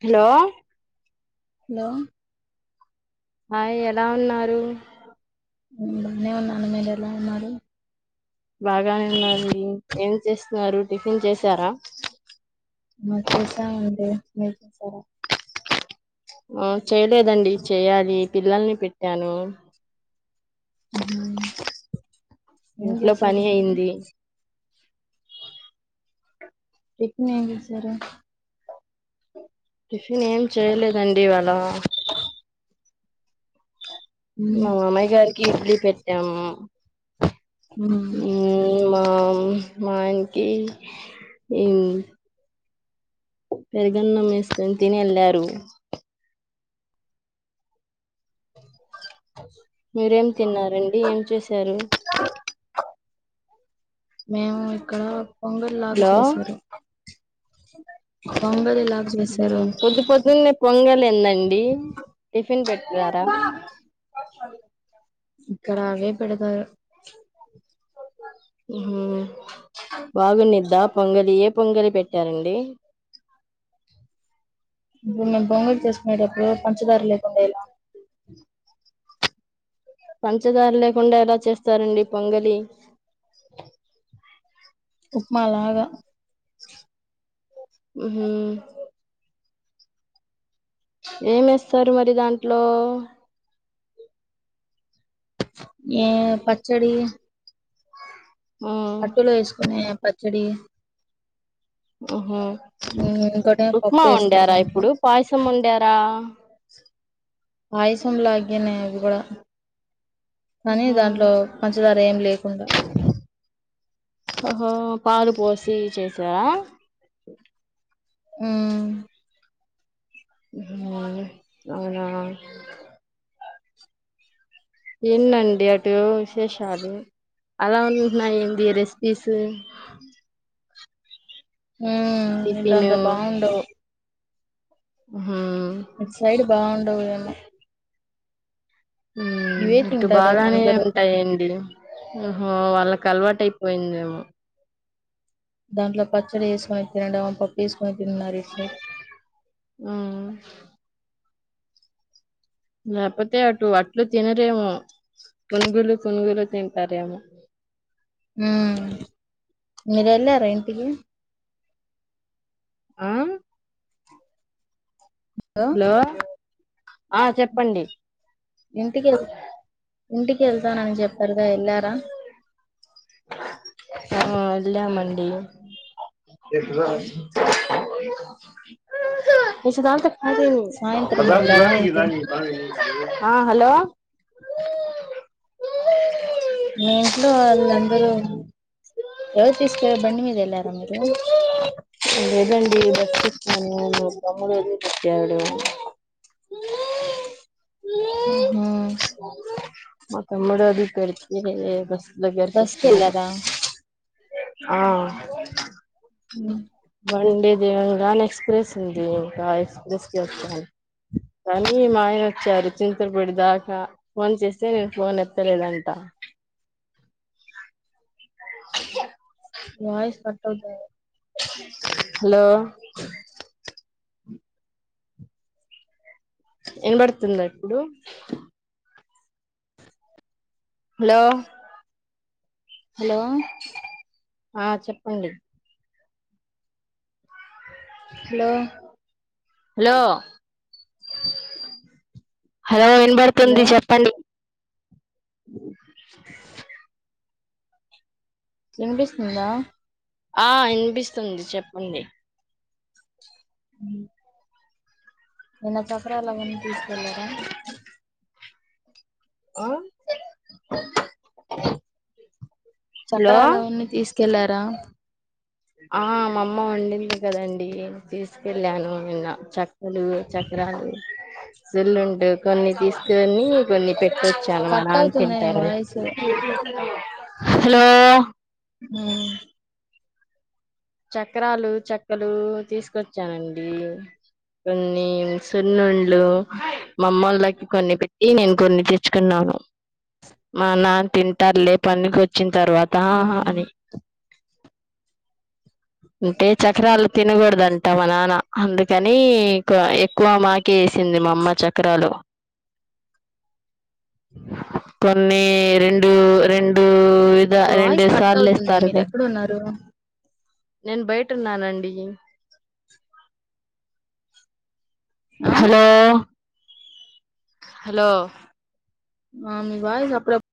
Hello hello ఆ ఎలా ఉన్నారు బానే ఉ నాన మేలలా మ బాగానే ఉన్నది ఏం చేస్తున్నారు టిఫిన్ చేసారా మ చేసాం అండి మీరు [inaudible] ఆ చేయ్ లేదండి చెయ్యాలి పిల్లల్ని పెట్టాను ఉహు ఏం ఇంట్లో చేశారు పని అయ్యింది టిఫిన్ ఏం చేశారు టిఫిన్ ఏం చేయలేదండి ఇవాళ ఉమ్ మా మామయ్య గారి కి ఇడ్లీ పెట్టాము ఊ ఉం మామ్ మా ఆయనికి ఇం పెరుగన్నం ఏస్కోని తినెళ్ళారు మీరేం తిన్నారండి ఏం చేశారు మేము ఇక్కడ పొంగల్ లాగ చేశారు పొంగలి లాగా హూ చేశారు పొద్దుపొద్దున్నే పొంగల్ ఏందండి టిఫిన్ పెట్టారా ఇక్కడ అవే పెడతార్ హు హ్మ్ బాగుండిద్దా పొంగలియే పొంగలి పెట్టారండి ఇప్పుడు మేము బొంగలు చేసుకునేటడప్పుడు పంచదార లేకుండే ఎలా పంచదార లేకుండా ఎలా చేస్తారండి పొంగలి ఉప్మా లాగా ఉహూ ఏం ఎస్తారు మరి దాంట్లో ఏ పచ్చడి ఆ అట్టలు వేసుకునే ప చ్చడి అహా ఇంకోటేమో పప్పు ఉప్మా వేస్తారు వండారా దాంట్లో ఇప్పుడు పాయసం వండారా పాయసం లాగేనే అవి కూడా కానీ ఉహు దాంట్లో పంచదార ఏం లేకుండా ఓహో పాలు పోసి చేసారా ఆ ఉహూ అవునా ఏంటండి అటు విశేషాలు అలా ఉంటున్నాయి ఏంది రెసిపీస్ హ టిఫిన్ ఇటంత బాగుండవు ఉ ఇట్ సైడ్ బాగున్ ఏమో ఇవే ఇటు తింటారేమో బాగానే అందరూ ఉంటాయండి వాళ్ళకి అలవాటు అయిపో పోయిందేమో దాంట్లో పచ్చడి వేసుకొని తినండివ పప్పు వేసుకొని తిన్నారు ఇ ఆ లేకపోతే అటు అట్లు తినరేమో పునుగులు తునుగులు తింటారేమో ఆ మీరెళ్ళారా ఇంటికి ఆ హలో ఇంటికి వె ఇంటికి వెళ్తానని చెప్పారు వెళ్ళారా ఆ ఎళ్ళామండి సాయంత్రం వెళ్లారా ఏంటి హలో పిల్లలు అందరు ఎవరు తీసుకెళ్లారు బండి మీద వెళ్ళారా, లేదండి బస్సు కొచ్చిన నన్ను మా తమ్ముడు వదిలిపెట్టాడు, అహ మా తమ్ముడు అది పెడితే బస్సు, బస్సు కెళ్ళారా, ఆ ఉ బండి దిగంగానే ఎక్స్ప్రెస్ ఉంది. ఇంకా ఎక్స్ప్రెస్ కి వచ్చాను. కానీ ఈ మాయన వచ్చారు చింతరుపూడి దాకా ఫోన్ చేస్తే నేను ఫోన్ ఎత్తలేదంట, వాయిస్ కా అవునా హలో అ విన పడుతుందా ఇప్పుడు, హలో హలో ఆ చెప్పండి హలో హలో హలో హలో వినపడుతుంది చెప్పండి, వినిపిస్తుందా, ఆ వినిపిస్తుంది చెప్పండి, ఊ విన [unintelligible] ఆ హలో చక్రాలు అవన్నీ తీసుకెళ్లారా, ఆ మామ్మ వండింది కదండి. తీసుకెళ్ళాను నిన్న చక్కలు చక్రాలు సున్నుండ కొన్ని తీసుకొని కొన్ని పెట్, తెచ్చాను మా కట్ నాన్న అవుతుంది నీ తింటాడు, వాయిస్ హలో హు చక్రాలు చెక్కలు తీసుకొచ్చానండి కొన్ని సున్నుండ, లు మా అమ్మోళ్ళకి, కొన్ని పెట్టి నేను కొన్ని తెచ్చుకున్నాను మా నాన్న తింటారు లే పనికి వచ్చి, తర్వాతా ఉమ్. అని, అంటే చక్రాలు తినకూడదంట మా నాన్న. అందుకని ఎక్కువ మాకె వేసింది. మా అమ్మ చక్రాలు కొన్ని రెండు రెండు, విధ రెండు వాయిస్ కట్ సార్లు అవుతుంది ఇస్తారు మీరు కదా ఎక్కడున్నారు నేను బయట ఉన్నానండి ఆ హలో హలో ఆ మీ వాయిస్ అపుడపు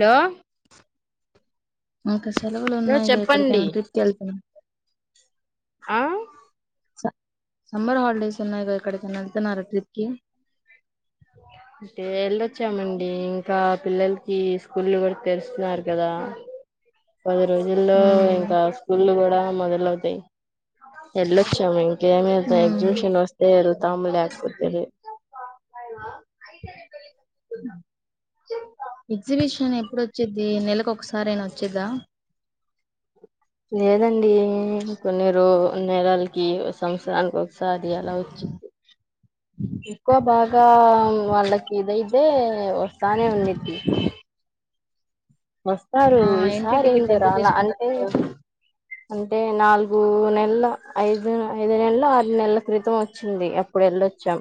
హలో కే స సెలవులు ఉన్నాయిగా ఎక్కడికైన చెప్పండి ట్రిప్ కేళ్తున్నా ఆ స సమ్మర్ హాలిడేస్ ఉన్నాయి గా ఎక్కడికైనా వెళ్తున్నారా ట్రిప్ కి అంటే ఎల్ళొచ్చామండి ఇంకా పిల్లలకి స్కూల్లు కూడా తెరిసినారు కదా పది రోజుల్లో ఉమ్ ఇంకా స్కూల్లు కూడా మొదలవుతాయి ఎల్లోచాం గేమ్ంతే ఉమ్ ఎక్జిబిషన్ వస్తే ఎల్ తం లేకపోతే లే ఎగ్జిబిషన్ ఎప్పుడొచ్చిది నెలకు ఒకసారి అయినా వచ్చిద్దిద లేదండి కొన్ని నెలాలకి సంవత్సరానికి ఒకసారి అలా వచ్చింది ఎక్కువ బాగా వాళ్ళకి ఇదైతే వస్తానే ఉండిద్దీ వస్తారు ఆ ఎంట్రీ ఈసారి టికెట్ ఏందో ఎంత రాలా తీసుకుంటారు అంటే అక్కడ అ అంటే నాలుగు నెలల ఐదు ఐదు నెలల ఆరు నెలల క్రితం వచ్చింది అప్పుడు వెళ్ళొచ్చాం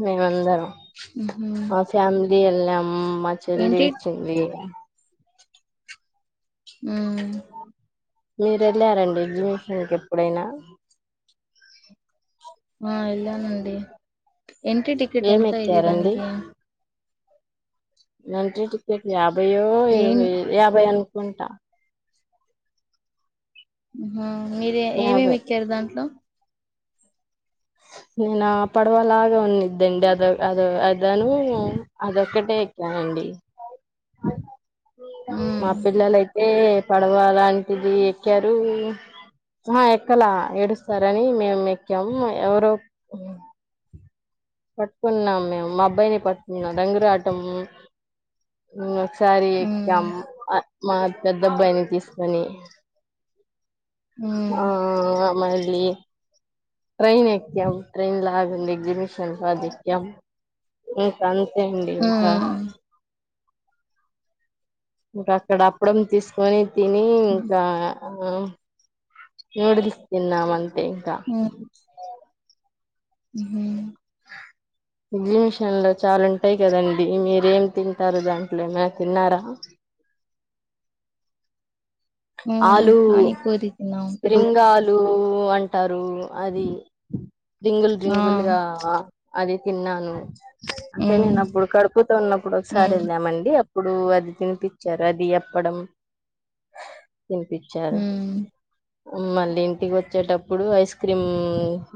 మేం అందరం ఉహు మా ఫ్యామిలీ అ ఎల్లాం మా చెల్లి ఏంటి వచ్చింది ఉహ్ మీరెళ్ళారండి ఎగ్జిబీషన్కెప్పుడైనా? ఆ ఎల్లానండి ఎంట్రీ టికెట్ ఏమి ఎంత అయింది ఎక్కారండి దానికి ఎంట్రీ టికెట్ యాభై యో జైన్ ఇరవై యాబై అను కుంటా ఉహా! మీరు ఏవేవి యాభై ఎక్కారు దాంట్లొ? నా పడవలాగ ఉన్నిద్దండి. అదొ అద అదనూ అదొక్కటే ఎక్కానండి. ఆటో! ఉమ్ మా పిల్లలై ఏ పడవ లాంటిది ఎక్కారూ? అహా! ఎక్కలా ఏడుస్తారని మేము ఎక్కాము ఎవరో! పట్టుకున్నాం మేము. మా అబ్బాయిని పట్టుకున్నా. రంగురాటము ఉన్న సారీ ఉమ్ ఎగ్జామ్, అ మా పెద్దబ్బాయిని తీసుకొని ఉమ్ ఆఁఆఁఅ! మళ్ళీ, ట్రైన్ ఎక్క్యం. ట్రైన్ లాగుంది. ఎక్సిిబిషన్ అది ఎక్క్యం. ఇంకఆన్. సెండి ఇంకా ఉమ్ ఇక అక్కడ అప్పుడం తీసుకొని తినీ, ఇంకా అన్నం ఏడుథీస్కేలం వేంఖ ఉహూ ఎగ్జిబిషన్ లో చాల ఉంటాయి కదండి మీరేం తింటారు దాంట్లొ, ఏమైనా తిన్నారా? ఉమ్ ఆలూ, పానీపూరి తిన్నాం పెరుగు స్ప్రింగ్ ఆలు, ఊ అంటారు అది రింగుల్ ఆ రింగుల్ గా ఆ అది తిన్నాను. అంటే, ఉమ్ నేనప్పుడు కడుపుతో ఉన్నప్పుడు ఒకసారి ఉమ్ వెళ్ళామండి అప్ ఇప్పుడూ అది తినిపిచ్చారు అది అప్పడం తినిపిచ్చారు. ఉమ్ మళ్ళీ ఇంటికి వచ్చేటప్పుడు, ఐస్ క్రీమ్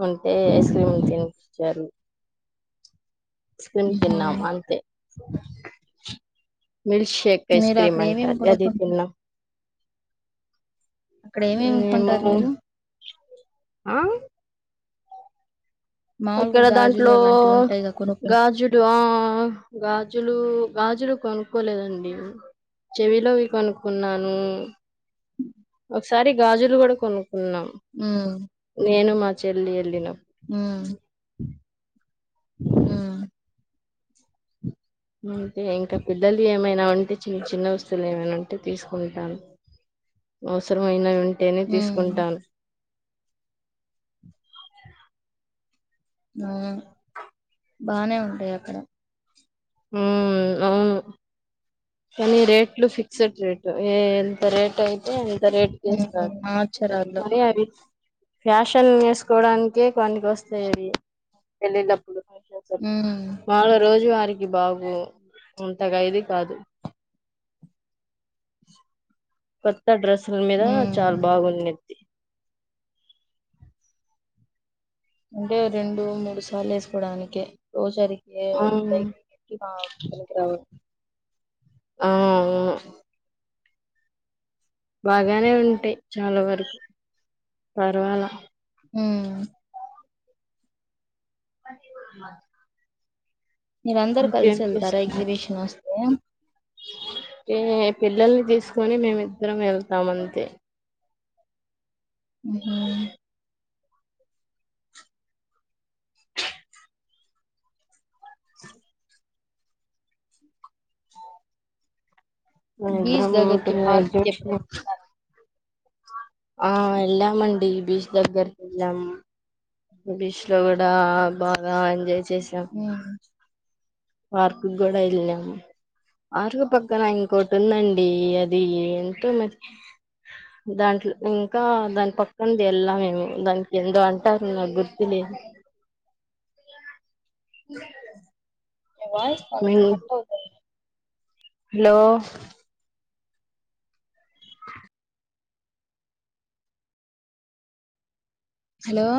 ఉంటే, ఐస్ క్రీమ్ తినిపిచ్చారు. స్క్రిమ్ ఉహు తిన్నాం అంతె [unintelligible] మిల్క్శేక్ మీరు ఐస్క్రీమ్ అక్కడ అంట ఏమేమి అది కొనుక్కుంటారు తిన్నాం అక్కడ ఏమేముకొంటారు మేము మీరు ఆ మాముూలుగా అక్కడ గాజులు దాంట్లో అలాంటివి ఉంటాయిగా కొనుక్కు గాజులు ఆ గాజులు గాజులు కొనుక్కోలేదండి చెవిలోవి కొనుక్కున్నాను ఉ ఒకసారి గాజులు కూడా కొనుక్కున్నాం ఉ నేను మా చెల్లి ఎలీనం ఉ ఉ అంటే ఇంకా పిద్దలు ఏమైనా ఉం తే చిన్న చిన్న వస్తువులు ఏమైంటే తీసుకుంటాను అవసరమైనవి ఉంటే టేనే ఉమ్ తీసుకుంటాను ఊ బానే ఉంటాయి అక్కడ ఊ అవును కానీ రేట్లు ఫిక్స్డ్ రేటు ఏ ఎంత రేట్ ఐ తే ఎంత రేట్ ఉహు కిస్తాడు ఆచరాల్లో మరి అవి ఫ్యాషన్ ఏసుకోవడానికే పనికోస్తాయవి పెళ్ళిళప్పు ఉమ్ మాములుగా రోజు ఆ అరికి బాగు ఇంతగా ఇది కాదు త డ్రెస్సుల మీద ఉమ్ చాలా బాగుంది నిక్ అంటే రెండు మూడు సార్లు ఏసుకోవడానికి ఓ సారి మ్మ్ రావు ఆ అవును బాగానే ఉంటాయి చాలా వరకు పర్వాలా మ్మ్ మీర అందరు కలిసి ఇంకేం వెళ్తారా చేస్తున్నారు ఎగ్జిబిషను ఏం ఏ పిల్లల్ని తీసుకొని మేమిద్దరం వెళ్తాం అంతే మ్మ్ హ్మ్ బీచ్ మేమిద్దరం దగ్గరికి పార్క్ కి ఎప్పుడైనా [unintelligible] వెళ్తారా ఆ వెళ్ళాం అండి బీచ్ దగ్గరికి వెళ్ళాము బీచ్ లో కూడా బాగా ఎంజాయ్ చేశాం ఉమ్ పార్కుకు గూడా ఎళ్ళాం ఆర్వో పక్కన ఇంకోటి ఉందండి అది ఏంటో నాక్ దాంట్లో ఇంకా దాని పక్కనది వెళ్ళలా మేము దానికి ఏందో అంటారు నాకు గుర్తు లేదు నీ వయిస్ కొంచ్ మేము కట్ అవుతాంది హలో హలో